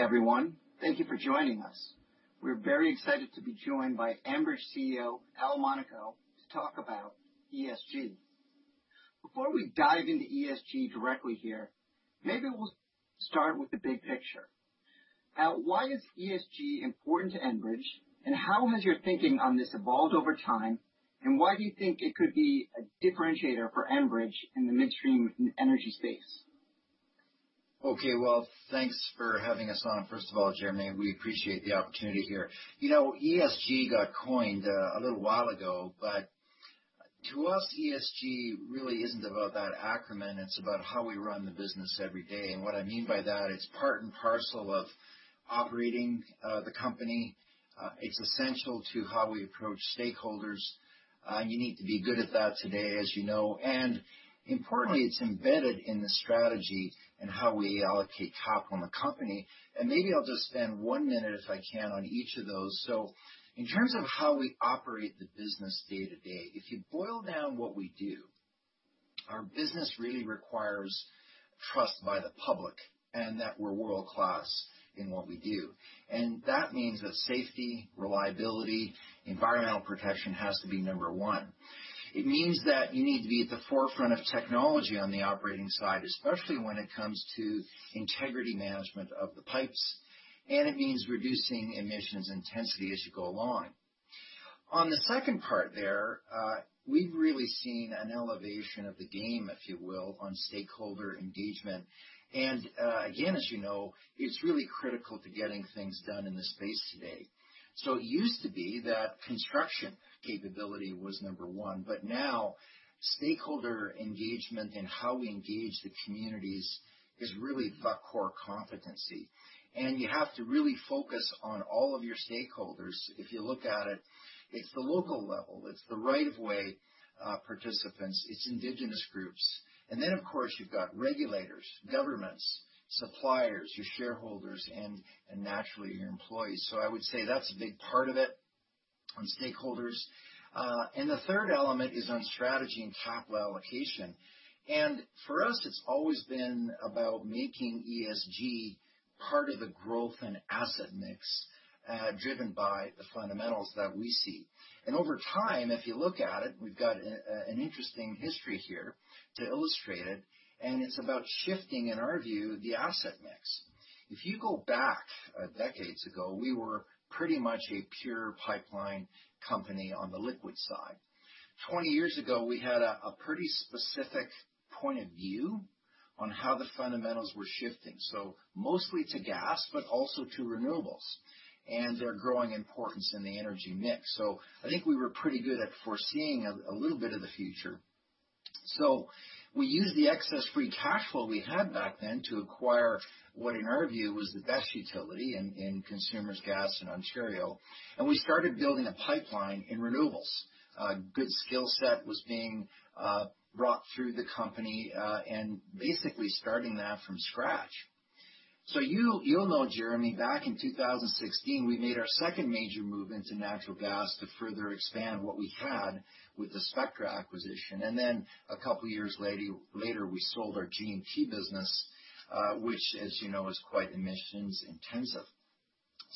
Good day, everyone. Thank you for joining us. We're very excited to be joined by Enbridge CEO, Al Monaco, to talk about ESG. Before we dive into ESG directly here, maybe we'll start with the big picture. Al, why is ESG important to Enbridge? How has your thinking on this evolved over time? Why do you think it could be a differentiator for Enbridge in the midstream energy space? Well, thanks for having us on, first of all, Jeremy. ESG got coined a little while ago; to us, ESG really isn't about that acronym. It's about how we run the business every day. What I mean by that, it's part and parcel of operating the company. It's essential to how we approach stakeholders. You need to be good at that today, as you know. Importantly, it's embedded in the strategy and how we allocate capital in the company. Maybe I'll just spend one minute, if I can, on each of those. In terms of how we operate the business day-to-day, if you boil down what we do, our business really requires trust by the public and that we're world-class in what we do. That means that safety, reliability, environmental protection has to be number one. It means that you need to be at the forefront of technology on the operating side, especially when it comes to integrity management of the pipes. It means reducing emissions intensity as you go along. On the second part there, we've really seen an elevation of the game, if you will, on stakeholder engagement. Again, as you know, it's really critical to getting things done in this space today. It used to be that construction capability was number one, but now stakeholder engagement and how we engage the communities is really the core competency. You have to really focus on all of your stakeholders. If you look at it's the local level, it's the right-of-way participants, it's indigenous groups. Of course, you've got regulators, governments, suppliers, your shareholders, and naturally, your employees. I would say that's a big part of it on stakeholders. The third element is on strategy and capital allocation. For us, it's always been about making ESG part of the growth and asset mix, driven by the fundamentals that we see. Over time, if you look at it, we've got an interesting history here to illustrate it, and it's about shifting, in our view, the asset mix. If you go back decades ago, we were pretty much a pure pipeline company on the liquid side. 20 years ago, we had a pretty specific point of view on how the fundamentals were shifting. Mostly to gas, but also to renewables and their growing importance in the energy mix. I think we were pretty good at foreseeing a little bit of the future. We used the excess free cash flow we had back then to acquire what, in our view, was the best utility in Consumers' Gas in Ontario, and we started building a pipeline in renewables. A good skill set was being brought through the company, and basically starting that from scratch. You'll know, Jeremy, back in 2016, we made our second major move into natural gas to further expand what we had with the Spectra acquisition. A couple of years later, we sold our G&P business, which, as you know, is quite emissions-intensive.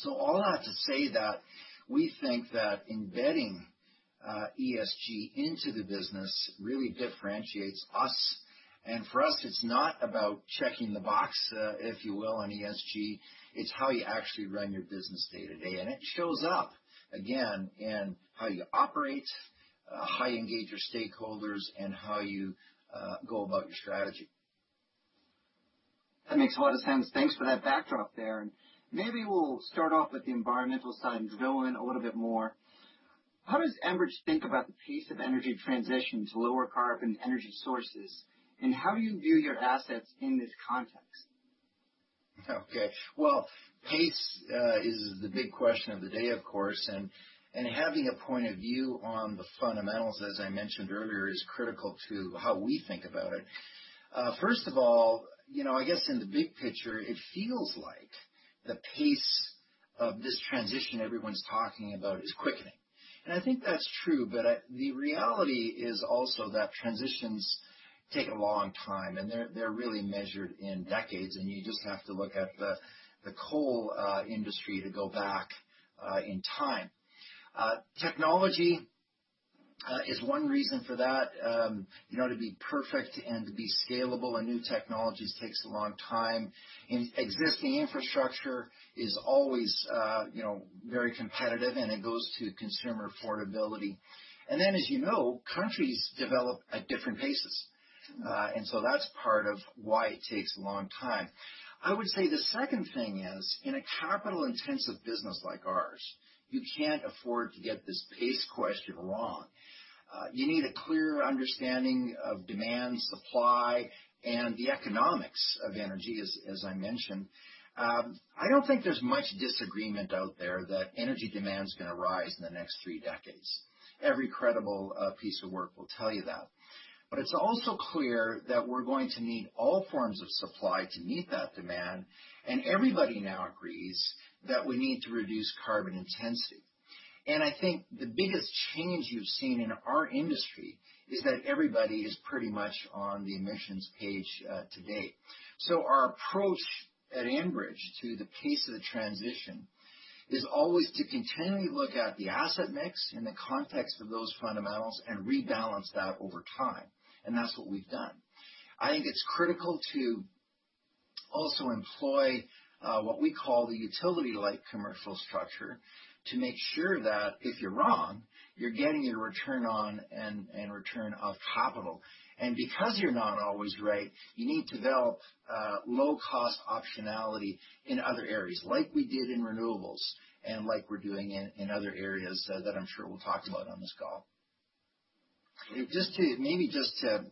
All that to say that we think that embedding ESG into the business really differentiates us. For us, it's not about checking the box, if you will, on ESG; it's how you actually run your business day-to-day. It shows up, again, in how you operate, how you engage your stakeholders, and how you go about your strategy. That makes a lot of sense. Thanks for that backdrop there. Maybe we'll start off with the environmental side and go in a little bit more. How does Enbridge think about the pace of energy transition to lower carbon energy sources, and how do you view your assets in this context? Pace is the big question of the day, of course. Having a point of view on the fundamentals, as I mentioned earlier, is critical to how we think about it. First of all, I guess in the big picture, it feels like the pace of this transition everyone's talking about is quickening. I think that's true. The reality is also that transitions take a long time. They're really measured in decades. You just have to look at the coal industry to go back in time. Technology is one reason for that. To be perfect and to be scalable in new technologies takes a long time. Existing infrastructure is always very competitive. It goes to consumer affordability. Then, as you know, countries develop at different paces. That's part of why it takes a long time. I would say the second thing is, in a capital-intensive business like ours, you can't afford to get this pace question wrong. You need a clear understanding of demand, supply, and the economics of energy, as I mentioned. I don't think there's much disagreement out there that energy demand is going to rise in the next three decades. Every credible piece of work will tell you that. It's also clear that we're going to need all forms of supply to meet that demand, and everybody now agrees that we need to reduce carbon intensity. I think the biggest change you've seen in our industry is that everybody is pretty much on the emissions page to date. Our approach at Enbridge to the pace of the transition is always to continually look at the asset mix in the context of those fundamentals and rebalance that over time. That's what we've done. I think it's critical to also employ what we call the utility-like commercial structure to make sure that if you're wrong, you're getting a return on and return of capital. Because you're not always right, you need to develop low-cost optionality in other areas like we did in renewables and like we're doing in other areas that I'm sure we'll talk about on this call. Just to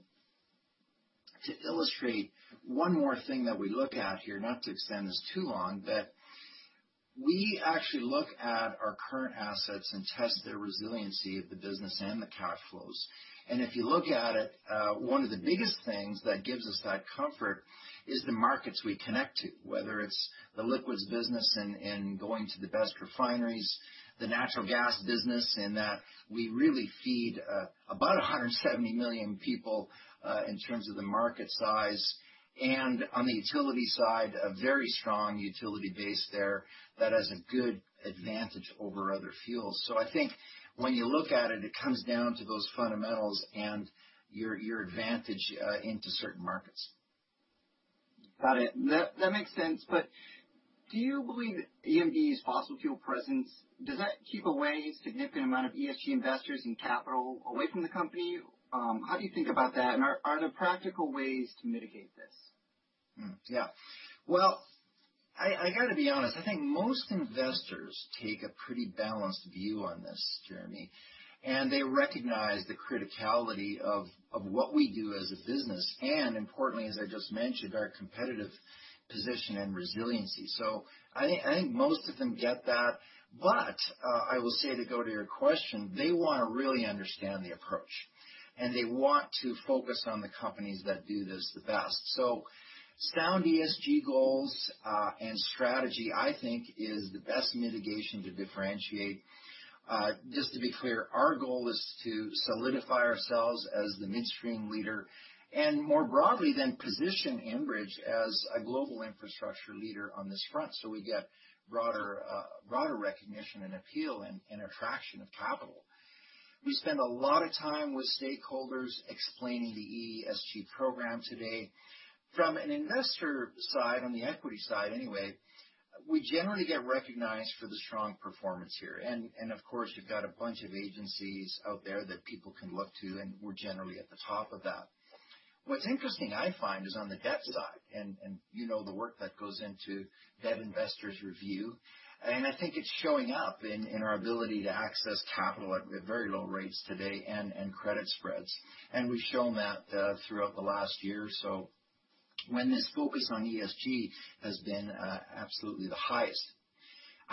illustrate one more thing that we look at here, not to extend this too long, that we actually look at our current assets and test their resiliency of the business and the cash flows. If you look at it, one of the biggest things that gives us that comfort is the markets we connect to, whether it's the liquids business and going to the best refineries, the natural gas business, in that we really feed about 170 million people, in terms of the market size. On the utility side, a very strong utility base there that has a good advantage over other fuels. I think when you look at it comes down to those fundamentals and your advantage into certain markets. Got it. That makes sense. Do you believe ENB's fossil fuel presence does that keep away a significant amount of ESG investors and capital away from the company? How do you think about that? Are there practical ways to mitigate this? Well, I got to be honest, I think most investors take a pretty balanced view on this, Jeremy, and they recognize the criticality of what we do as a business, and importantly, as I just mentioned, our competitive position and resiliency. I will say to go to your question, they want to really understand the approach, and they want to focus on the companies that do this the best. Sound ESG goals and strategy, I think, is the best mitigation to differentiate. Just to be clear, our goal is to solidify ourselves as the midstream leader and more broadly than position Enbridge as a global infrastructure leader on this front so we get broader recognition and appeal and attraction of capital. We spend a lot of time with stakeholders explaining the ESG Program today. From an investor side, on the equity side anyway, we generally get recognized for the strong performance here. Of course, you've got a bunch of agencies out there that people can look to, and we're generally at the top of that. What's interesting, I find, is on the debt side and the work that goes into debt investors review. I think it's showing up in our ability to access capital at very low rates today and in credit spreads. We've shown that throughout the last year or so when this focus on ESG has been absolutely the highest.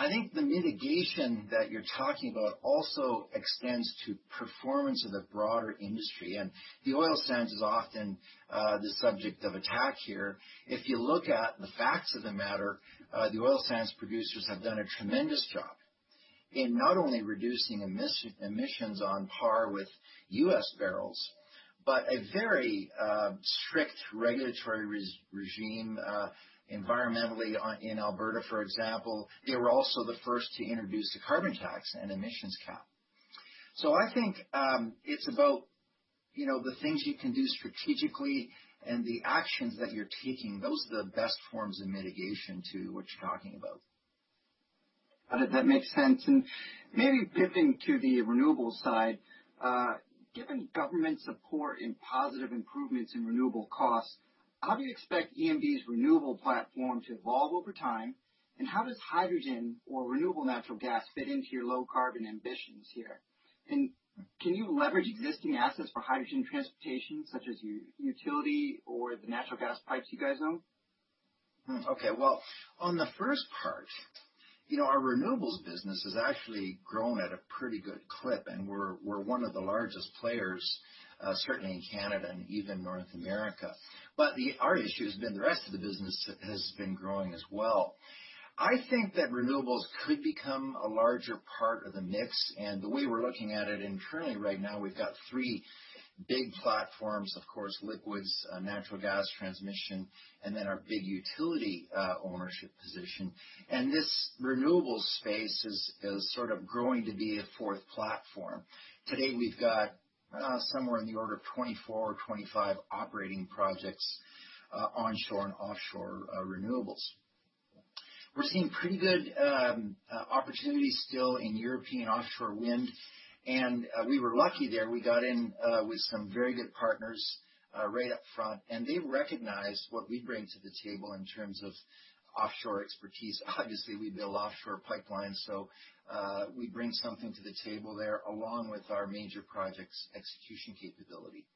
I think the mitigation that you're talking about also extends to performance of the broader industry. The oil sands is often the subject of attack here. If you look at the facts of the matter, the oil sands producers have done a tremendous job in not only reducing emissions on par with U.S. barrels, but a very strict regulatory regime environmentally in Alberta, for example. They were also the first to introduce a carbon tax and emissions cap. I think it's about the things you can do strategically and the actions that you're taking. Those are the best forms of mitigation to what you're talking about. Got it. That makes sense. Maybe pivoting to the renewables side. Given government support and positive improvements in renewable costs, how do you expect ENB's renewable platform to evolve over time? How does hydrogen or renewable natural gas fit into your low-carbon ambitions here? Can you leverage existing assets for hydrogen transportation, such as utility or the natural gas pipes you guys own? Well, on the first part, our renewables business has actually grown at a pretty good clip. We're one of the largest players, certainly in Canada and even North America. Our issue has been the rest of the business has been growing as well. I think that renewables could become a larger part of the mix. The way we're looking at it internally right now, we've got three big platforms, of course, liquids, natural gas transmission, and then our big utility ownership position. This renewables space is sort of growing to be a fourth platform. Today, we've got somewhere in the order of 24 or 25 operating projects, onshore and offshore renewables. We're seeing pretty good opportunities still in European offshore wind. We were lucky there. We got in with some very good partners right up front. They recognized what we bring to the table in terms of offshore expertise. Obviously, we build offshore pipelines; we bring something to the table there, along with our major projects execution capability.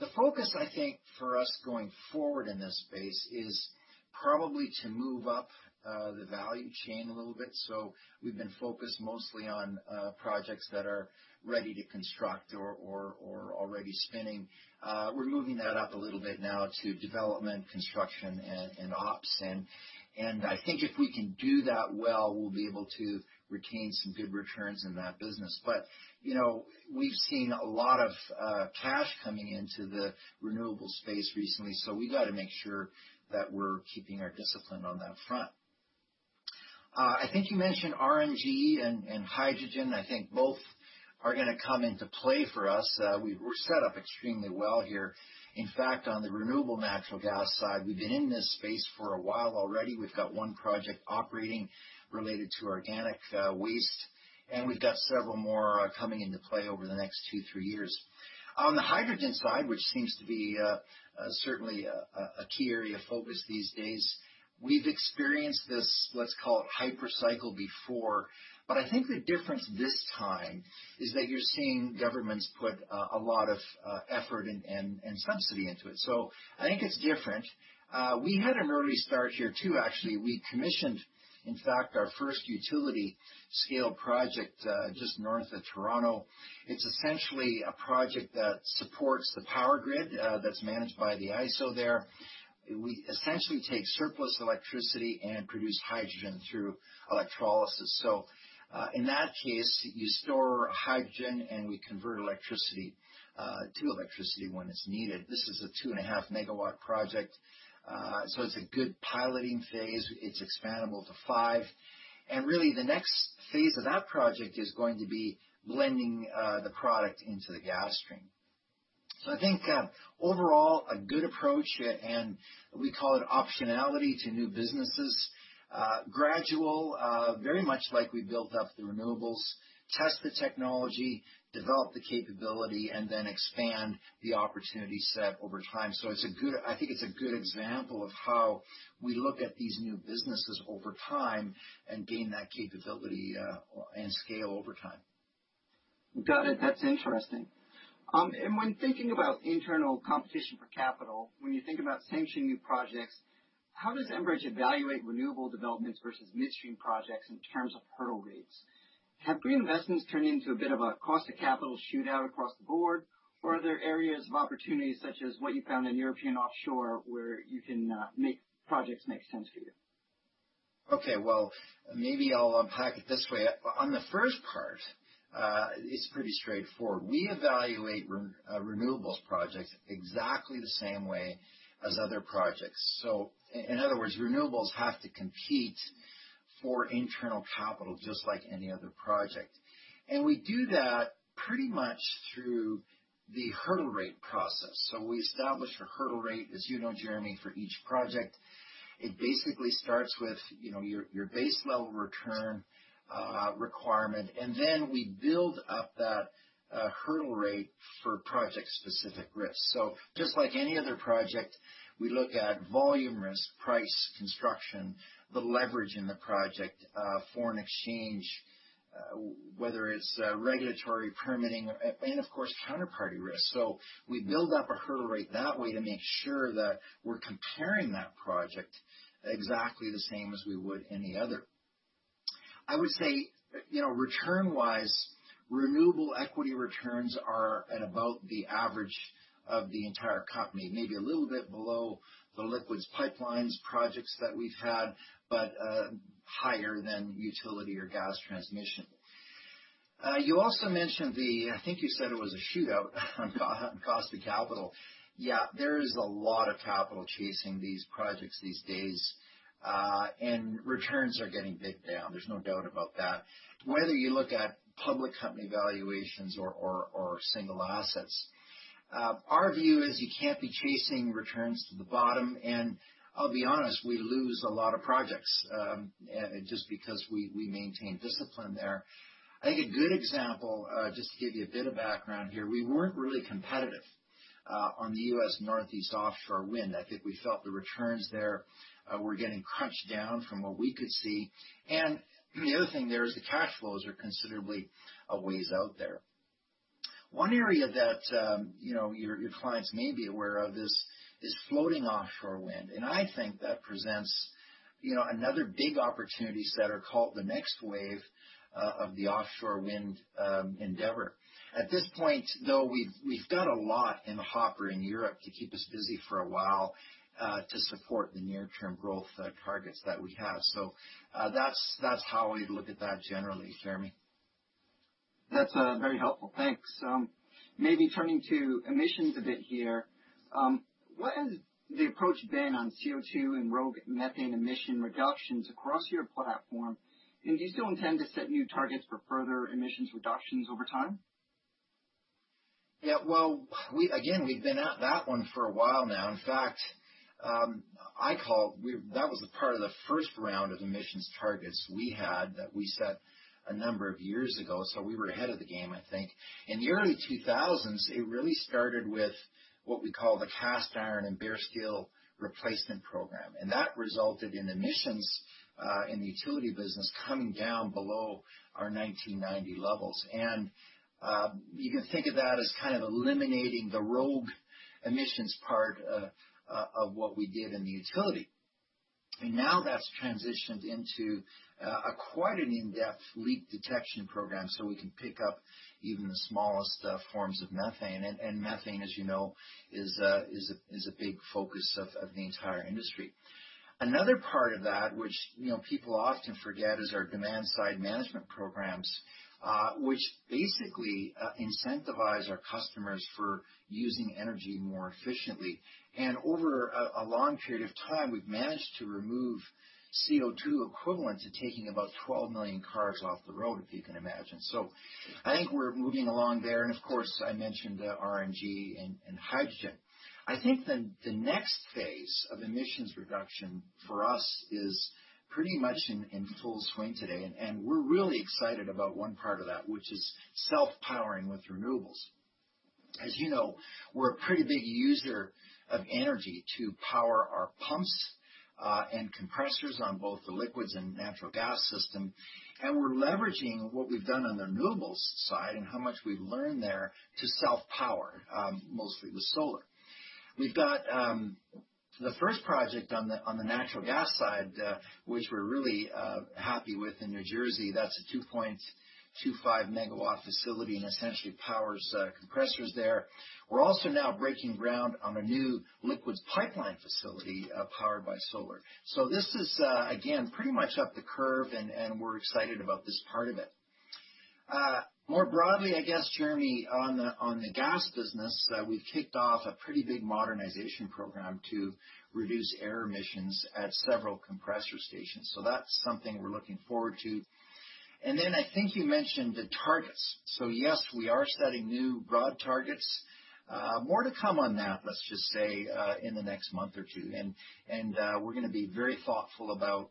The focus, I think, for us going forward in this space is probably to move up the value chain a little bit. We've been focused mostly on projects that are ready to construct or are already spinning. We're moving that up a little bit now to development, construction, and ops. I think if we can do that well, we'll be able to retain some good returns in that business. We've seen a lot of cash coming into the renewables space recently, we've got to make sure that we're keeping our discipline on that front. I think you mentioned RNG and hydrogen. I think both are going to come into play for us. We're set up extremely well here. On the renewable natural gas side, we've been in this space for a while already. We've got one project operating related to organic waste, and we've got several more coming into play over the next two to three years. On the hydrogen side, which seems to be certainly a key area of focus these days, we've experienced this, let's call it hyper cycle before. I think the difference this time is that you're seeing governments put a lot of effort and subsidy into it. I think it's different. We had an early start here, too, actually. We commissioned, in fact, our first utility-scale project just north of Toronto. It's essentially a project that supports the power grid that's managed by the ISO there. We essentially take surplus electricity and produce hydrogen through electrolysis. In that case, you store hydrogen and we convert electricity to electricity when it's needed. This is a 2.5 megawatt project. It's a good piloting phase. It's expandable to 5. Really, the next phase of that project is going to be blending the product into the gas stream. I think overall a good approach, and we call it optionality to new businesses. Gradual, very much like we built up the renewables, test the technology, develop the capability, and then expand the opportunity set over time. I think it's a good example of how we look at these new businesses over time and gain that capability and scale over time. Got it. That's interesting. When thinking about internal competition for capital, when you think about sanctioning new projects, how does Enbridge evaluate renewable developments versus midstream projects in terms of hurdle rates? Have green investments turned into a bit of a cost-of-capital shootout across the board? Are there areas of opportunity, such as what you found in European offshore, where you can make projects make sense for you? Okay. Well, maybe I'll unpack it this way. On the first part, it's pretty straightforward. We evaluate renewables projects exactly the same way as other projects. In other words, renewables have to compete for internal capital just like any other project. We do that pretty much through the hurdle rate process. We establish a hurdle rate, as you know, Jeremy, for each project. It basically starts with your base level return requirement, and then we build up that hurdle rate for project-specific risks. Just like any other project, we look at volume risk, price, construction, the leverage in the project, foreign exchange, whether it's regulatory permitting, and of course, counterparty risk. We build up a hurdle rate that way to make sure that we're comparing that project exactly the same as we would any other. I would say, return-wise, renewable equity returns are at about the average of the entire company, maybe a little bit below the liquids pipelines projects that we've had, but higher than utility or gas transmission. You also mentioned the, I think you said it was a shootout on cost of capital. Yeah, there is a lot of capital chasing these projects these days. Returns are getting bid down. There's no doubt about that. Whether you look at public company valuations or single assets. Our view is you can't be chasing returns to the bottom. I'll be honest, we lose a lot of projects, just because we maintain discipline there. I think a good example, just to give you a bit of background here, we weren't really competitive on the U.S. Northeast offshore wind. I think we felt the returns there were getting crunched down from what we could see. The other thing is the cash flows are considerably a ways out there. One area that your clients may be aware of is floating offshore wind, and I think that presents another big opportunity set or called the next wave of the offshore wind endeavor. At this point, though, we've got a lot in the hopper in Europe to keep us busy for a while, to support the near-term growth targets that we have. That's how I look at that generally, Jeremy. That's very helpful. Thanks. Maybe turning to emissions a bit here. What has the approach been on CO2 and rogue methane emission reductions across your platform? Do you still intend to set new targets for further emissions reductions over time? Yeah. Well, again, we've been at that one for a while now. In fact, that was the part of the first round of emissions targets we had that we set a number of years ago. We were ahead of the game, I think. In the early 2000s, it really started with what we call the cast iron and bare steel replacement program, and that resulted in emissions, in the utility business coming down below our 1990 levels. You can think of that as kind of eliminating the rogue emissions part of what we did in the utility. Now that's transitioned into quite an in-depth leak detection program so we can pick up even the smallest forms of methane. Methane, as you know, is a big focus of the entire industry. Another part of that, which people often forget, is our demand-side management programs, Which basically incentivize our customers for using energy more efficiently. Over a long period of time, we've managed to remove CO2 equivalent to taking about 12 million cars off the road, if you can imagine. I think we're moving along there. Of course, I mentioned RNG and hydrogen. I think the next phase of emissions reduction for us is pretty much in full swing today, and we're really excited about one part of that, which is self-powering with renewables. As you know, we're a pretty big user of energy to power our pumps and compressors on both the liquids and natural gas system. We're leveraging what we've done on the renewables side and how much we've learned there to self-power, mostly with solar. We've got the first project on the natural gas side, which we're really happy with in New Jersey. That's a 2.25-megawatt facility, and essentially powers compressors there. We're also now breaking ground on a new liquids pipeline facility powered by solar. This is, again, pretty much up the curve, and we're excited about this part of it. More broadly, I guess, Jeremy, on the gas business, we've kicked off a pretty big modernization program to reduce air emissions at several compressor stations. That's something we're looking forward to. I think you mentioned the targets. Yes, we are setting new broad targets. More to come on that, let's just say, in the next month or two. We're going to be very thoughtful about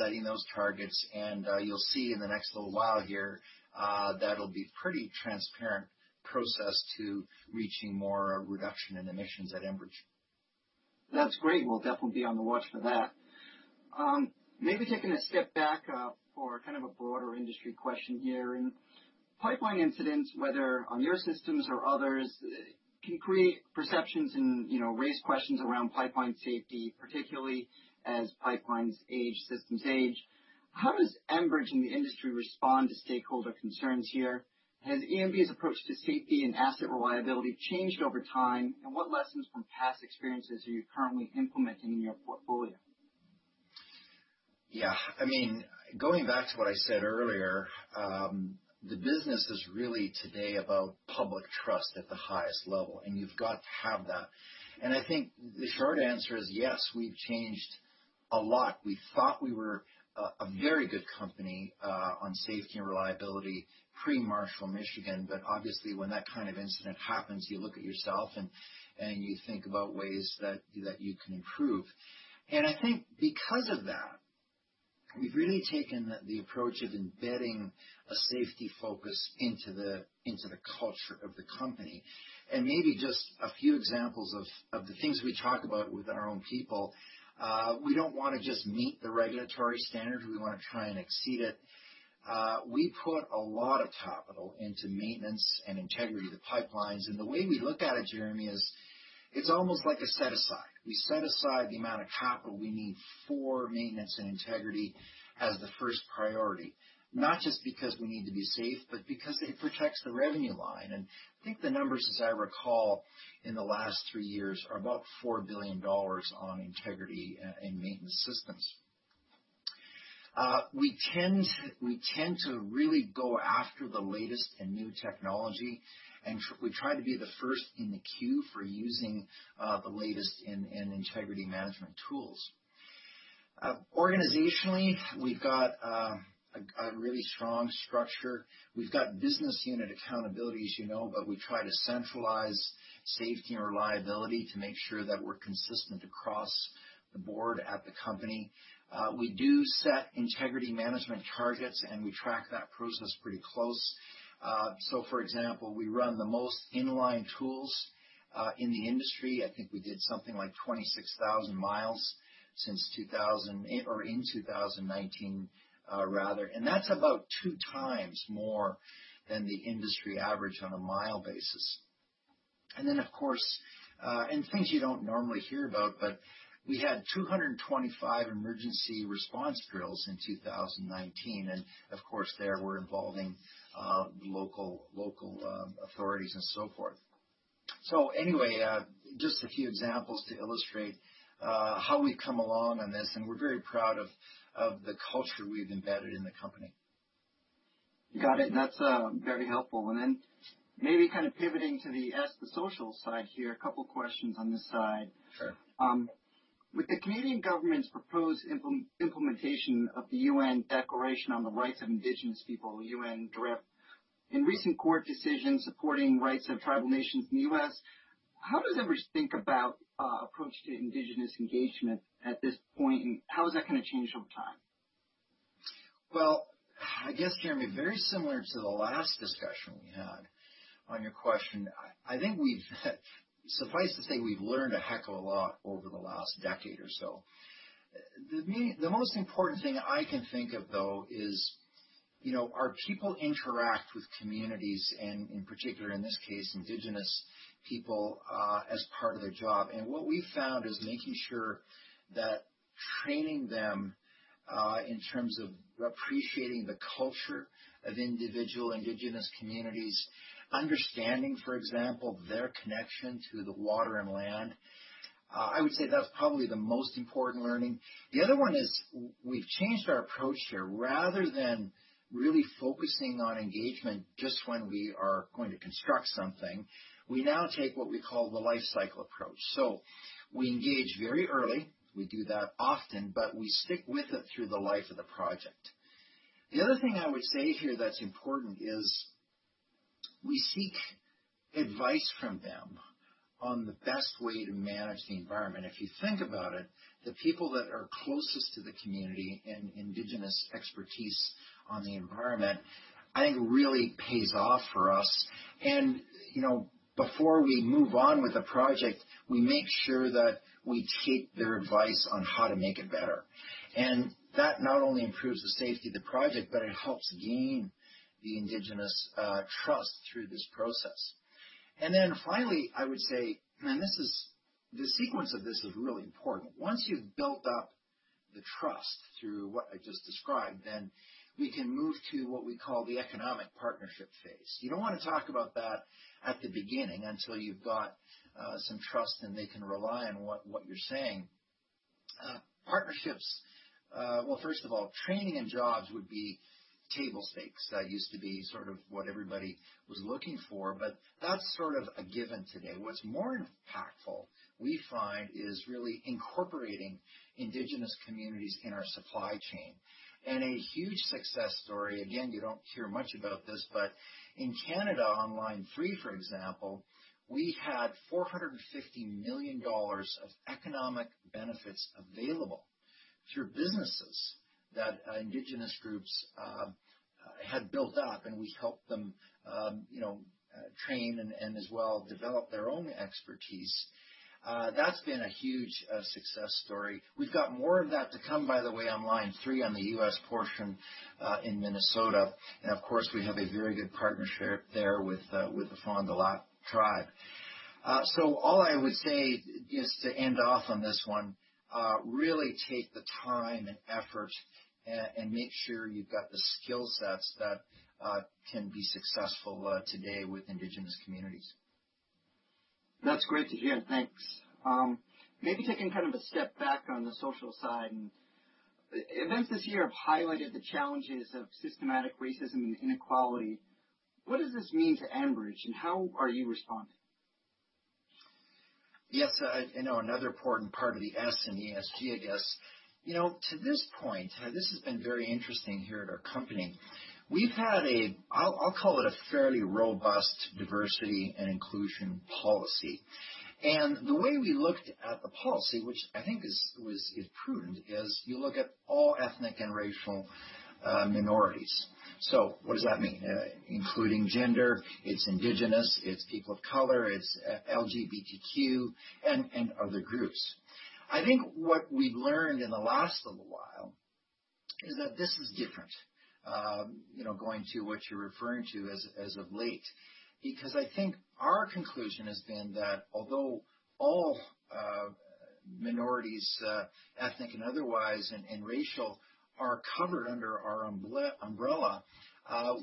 setting those targets, and you'll see in the next little while here that'll be pretty transparent process to reaching more reduction in emissions at Enbridge. That's great. We'll definitely be on the watch for that. Maybe taking a step back for kind of a broader industry question here. In pipeline incidents, whether on your systems or others, can create perceptions and raise questions around pipeline safety, particularly as pipelines age systems age. How does Enbridge and the industry respond to stakeholder concerns here? Has ENB's approach to safety and asset reliability changed over time? What lessons from past experiences are you currently implementing in your portfolio? Yeah. Going back to what I said earlier, the business is really today about public trust at the highest level, and you've got to have that. I think the short answer is yes, we've changed a lot. We thought we were a very good company on safety and reliability, pre-Marshall, Michigan. Obviously, when that kind of incident happens, you look at yourself and you think about ways that you can improve. I think because of that, we've really taken the approach of embedding a safety focus into the culture of the company. Maybe just a few examples of the things we talk about with our own people. We don't want to just meet the regulatory standards. We want to try and exceed it. We put a lot of capital into maintenance and integrity of the pipelines. The way we look at it, Jeremy Tonet, is it's almost like a set aside. We set aside the amount of capital we need for maintenance and integrity as the first priority, not just because we need to be safe, but because it protects the revenue line. I think the numbers, as I recall, in the last four years are about 4 billion dollars on integrity and maintenance systems. We tend to really go after the latest and new technology, we try to be the first in the queue for using the latest in integrity management tools. Organizationally, we've got a really strong structure. We've got business unit accountability, as you know, we try to centralize safety and reliability to make sure that we're consistent across the board at the company. We do set integrity management targets, we track that process pretty close. For example, we run the most in-line tools in the industry. I think we did something like 26,000 miles in 2019, that's about two times more than the industry average on a mile basis. Of course, things you don't normally hear about, we had 225 emergency response drills in 2019, of course there we're involving local authorities and so forth. Anyway, just a few examples to illustrate how we've come along on this, we're very proud of the culture we've embedded in the company. Got it. That's very helpful. Then maybe kind of pivoting to the S, the social side here, a couple of questions on this side. Sure. With the Canadian government's proposed implementation of the United Nations Declaration on the Rights of Indigenous Peoples, the UNDRIP, in recent court decisions supporting rights of tribal nations in the U.S., how does Enbridge think about approach to indigenous engagement at this point, and how is that going to change over time? Well, I guess, Jeremy, very similar to the last discussion we had on your question. I think we've suffice to say, we've learned a heck of a lot over the last decade or so. The most important thing I can think of, though, is. Our people interact with communities, and in particular, in this case, Indigenous people, as part of their job. What we've found is making sure that training them in terms of appreciating the culture of individual Indigenous communities, understanding, for example, their connection to the water and land, I would say that's probably the most important learning. The other one is we've changed our approach here. Rather than really focusing on engagement just when we are going to construct something, we now take what we call the life cycle approach. We engage very early. We do that often, but we stick with it through the life of the project. The other thing I would say here that's important is we seek advice from them on the best way to manage the environment. If you think about it, the people that are closest to the community and indigenous expertise on the environment, I think, really pays off for us. Before we move on with a project, we make sure that we take their advice on how to make it better. That not only improves the safety of the project, but it helps gain the indigenous trust through this process. Finally, I would say, the sequence of this is really important. Once you've built up the trust through what I just described, then we can move to what we call the economic partnership phase. You don't want to talk about that at the beginning until you've got some trust and they can rely on what you're saying. Partnerships, first of all, training and jobs would be table stakes. That used to be sort of what everybody was looking for, but that's sort of a given today. What's more impactful, we find, is really incorporating indigenous communities in our supply chain. A huge success story, again, you don't hear much about this, but in Canada on Line 3, for example, we had 450 million dollars of economic benefits available through businesses that indigenous groups had built up, and we helped them train and as well develop their own expertise. That's been a huge success story. We've got more of that to come, by the way, on Line 3 on the U.S. portion in Minnesota. Of course, we have a very good partnership there with the Fond du Lac tribe. All I would say is to end off on this one, really take the time and effort and make sure you've got the skill sets that can be successful today with indigenous communities. That's great to hear. Thanks. Maybe taking kind of a step back on the social side, events this year have highlighted the challenges of systematic racism and inequality. What does this mean to Enbridge, how are you responding? Yes. I know another important part of the S in ESG, I guess. To this point, this has been very interesting here at our company. We've had, I'll call it, a fairly robust diversity and inclusion policy. The way we looked at the policy, which I think is prudent, is you look at all ethnic and racial minorities. What does that mean? Including gender, it's indigenous, it's people of color, it's LGBTQ, and other groups. I think what we've learned in the last little while is that this is different, going to what you're referring to as of late, because I think our conclusion has been that although all minorities, ethnic and otherwise, and racial, are covered under our umbrella,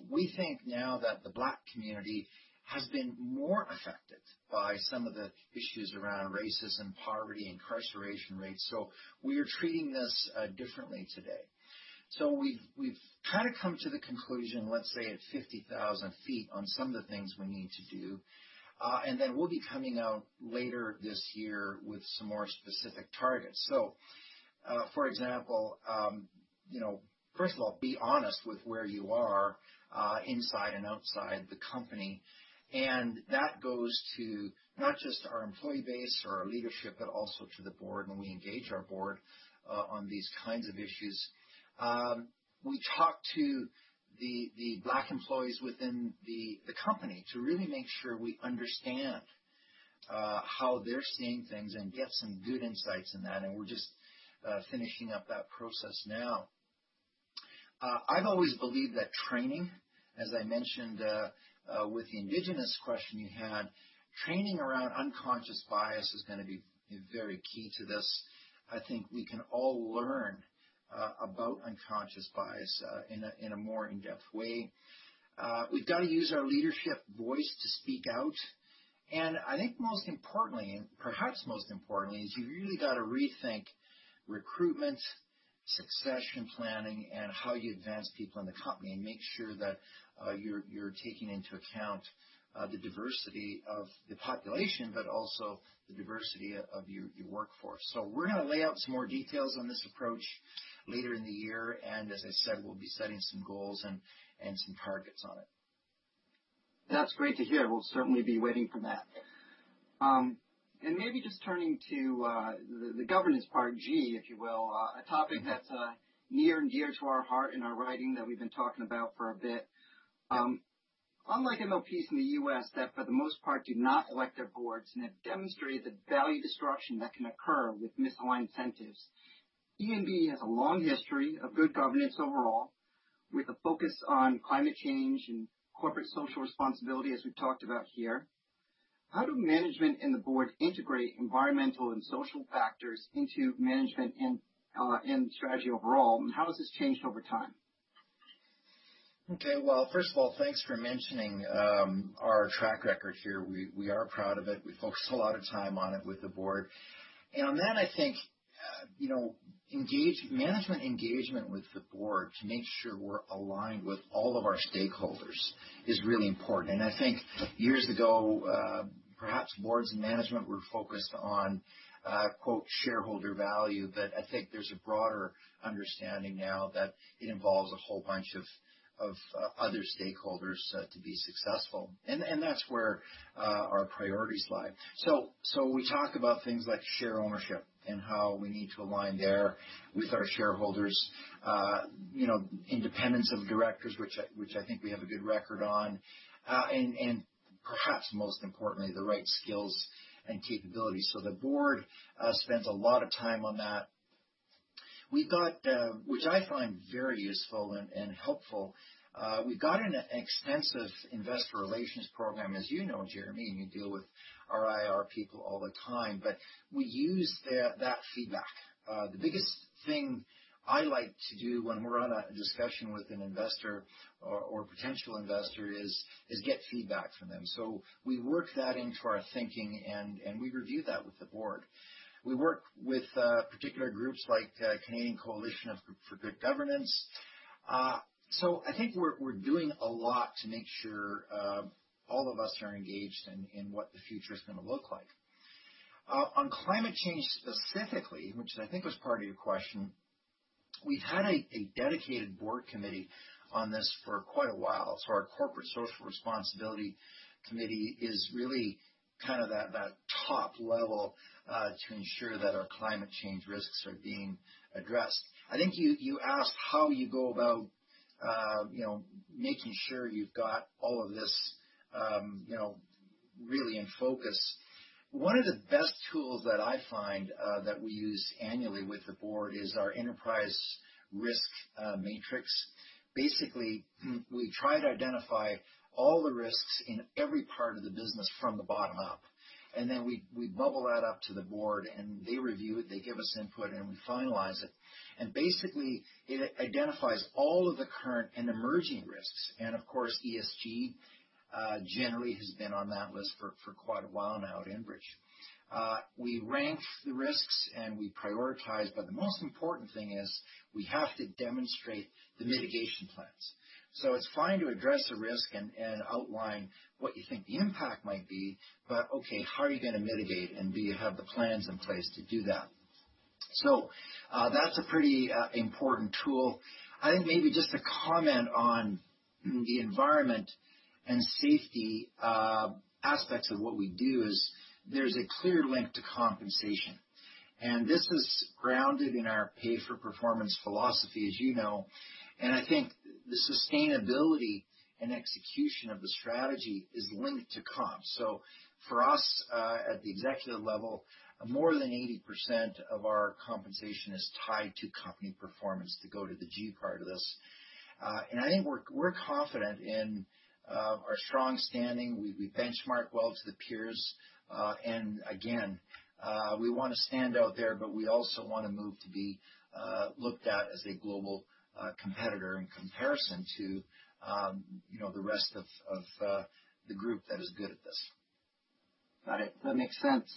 we think now that the Black community has been more affected by some of the issues around racism, poverty, incarceration rates. We are treating this differently today. We've kind of come to the conclusion, let's say at 50,000 feet, on some of the things we need to do. We'll be coming out later this year with some more specific targets. For example, first of all, be honest with where you are inside and outside the company. That goes to not just our employee base or our leadership, but also to the board when we engage our board on these kinds of issues. We talk to the Black employees within the company to really make sure we understand how they're seeing things and get some good insights in that, and we're just finishing up that process now. I've always believed that training, as I mentioned with the Indigenous question you had, training around unconscious bias is going to be very key to this. I think we can all learn about unconscious bias in a more in-depth way. We've got to use our leadership voice to speak out. I think most importantly, and perhaps most importantly, is you've really got to rethink recruitment, succession planning, and how you advance people in the company and make sure that you're taking into account the diversity of the population, but also the diversity of your workforce. We're going to lay out some more details on this approach later in the year, and as I said, we'll be setting some goals and some targets on it. That's great to hear. We'll certainly be waiting for that. Maybe just turning to the governance part, G, if you will, a topic that's near and dear to our heart in our writing that we've been talking about for a bit. Unlike MLPs in the U.S. that for the most part do not elect their boards and have demonstrated the value destruction that can occur with misaligned incentives, ENB has a long history of good governance overall with a focus on climate change and corporate social responsibility as we've talked about here. How do management and the board integrate environmental and social factors into management and strategy overall, and how has this changed over time? Well, first of all, thanks for mentioning our track record here. We are proud of it. We focus a lot of time on it with the board. On that, I think, management engagement with the board to make sure we're aligned with all of our stakeholders is really important. I think years ago, perhaps boards and management were focused on "shareholder value," but I think there's a broader understanding now that it involves a whole bunch of other stakeholders to be successful. That's where our priorities lie. We talk about things like share ownership and how we need to align there with our shareholders. Independence of directors, which I think we have a good record on. Perhaps most importantly, the right skills and capabilities. The board spends a lot of time on that. Which I find very useful and helpful. We've got an extensive investor relations program as you know, Jeremy, and you deal with our IR people all the time. We use that feedback. The biggest thing I like to do when we're on a discussion with an investor or potential investor is get feedback from them. We work that into our thinking, and we review that with the board. We work with particular groups like the Canadian Coalition for Good Governance. I think we're doing a lot to make sure all of us are engaged in what the future is going to look like. On climate change specifically, which I think was part of your question, we had a dedicated board committee on this for quite a while. Our Corporate Social Responsibility Committee is really that top level to ensure that our climate change risks are being addressed. I think you asked how you go about making sure you've got all of this really in focus. One of the best tools that I find that we use annually with the board is our enterprise risk matrix. Basically, we try to identify all the risks in every part of the business from the bottom up, and then we bubble that up to the board, and they review it, they give us input, and we finalize it. Basically, it identifies all of the current and emerging risks. Of course, ESG generally has been on that list for quite a while now at Enbridge. We rank the risks and we prioritize, but the most important thing is we have to demonstrate the mitigation plans. It's fine to address a risk and outline what you think the impact might be, but okay, how are you going to mitigate and do you have the plans in place to do that? That's a pretty important tool. I think maybe just to comment on the environment and safety aspects of what we do is there's a clear link to compensation. This is grounded in our pay-for-performance philosophy, as you know. I think the sustainability and execution of the strategy is linked to comp. For us, at the executive level, more than 80% of our compensation is tied to company performance to go to the G part of this. I think we're confident in our strong standing. We benchmark well to the peers. Again, we want to stand out there, but we also want to move to be looked at as a global competitor in comparison to the rest of the group that is good at this. Got it. That makes sense.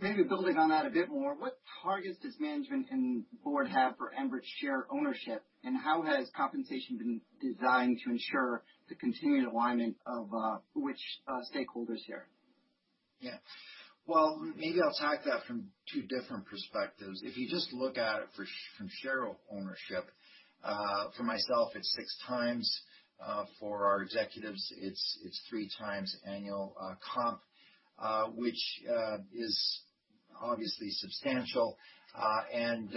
Maybe building on that a bit more, what targets does management and board have for Enbridge share ownership, and how has compensation been designed to ensure the continued alignment of which stakeholders hear it? Yeah. Well, maybe I'll attack that from two different perspectives. If you just look at it from share ownership, for myself, it's 6x. For our executives, it's 3x annual comp, which is obviously substantial. In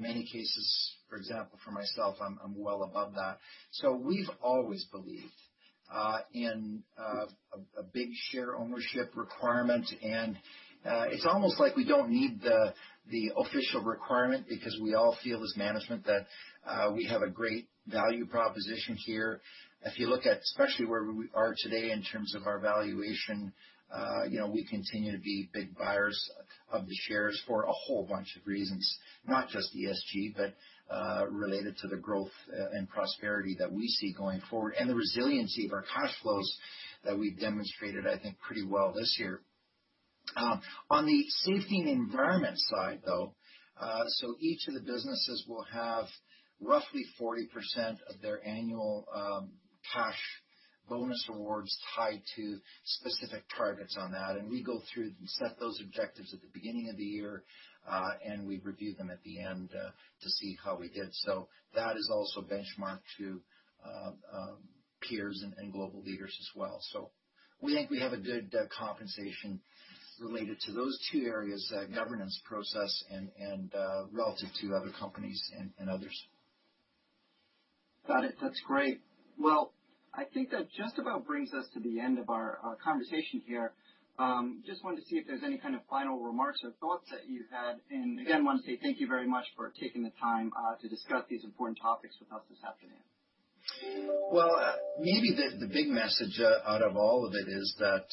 many cases, for example, for myself, I'm well above that. We've always believed in a big share ownership requirement and it's almost like we don't need the official requirement because we all feel as management, that we have a great value proposition here. If you look at especially where we are today in terms of our valuation, we continue to be big buyers of the shares for a whole bunch of reasons, not just ESG, but related to the growth and prosperity that we see going forward and the resiliency of our cash flows that we've demonstrated, I think, pretty well this year. On the safety and environment side, though, each of the businesses will have roughly 40% of their annual cash bonus rewards tied to specific targets on that. We go through and set those objectives at the beginning of the year, and we review them at the end to see how we did. That is also benchmarked to peers and global leaders as well. We think we have a good compensation related to those two areas, governance process, and relative to other companies and others. Got it. That's great. Well, I think that just about brings us to the end of our conversation here. Just wanted to see if there's any kind of final remarks or thoughts that you had. Again, want to say thank you very much for taking the time to discuss these important topics with us this afternoon. Well, maybe the big message out of all of it is that,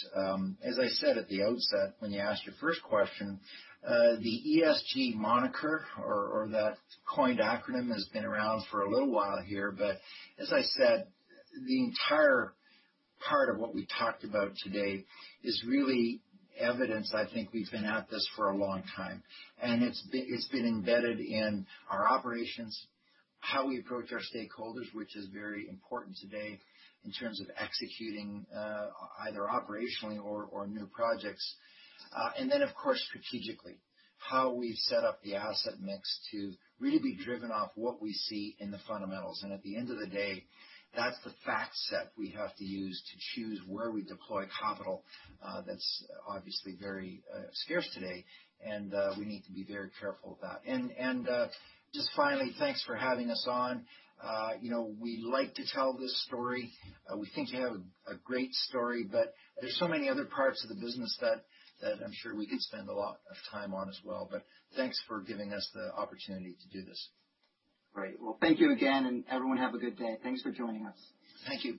as I said at the outset when you asked your first question, the ESG moniker or that coined acronym has been around for a little while here, but as I said, the entire part of what we talked about today is really evidence, I think we've been at this for a long time, and it's been embedded in our operations, how we approach our stakeholders, which is very important today in terms of executing either operationally or new projects. Of course, strategically. How we've set up the asset mix to really be driven off what we see in the fundamentals. At the end of the day, that's the fact set we have to use to choose where we deploy capital, that's obviously very scarce today, and we need to be very careful of that. Just finally, thanks for having us on. We like to tell this story. We think we have a great story, but there's so many other parts of the business that I'm sure we could spend a lot of time on as well. Thanks for giving us the opportunity to do this. Great. Well, thank you again. Everyone have a good day. Thanks for joining us. Thank you.